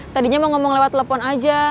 tadinya mau ngomong lewat telepon aja